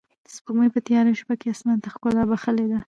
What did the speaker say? سپوږمۍ په تیاره شپه کې اسمان ته ښکلا بښلې ده.